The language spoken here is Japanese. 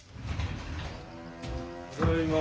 ただいま。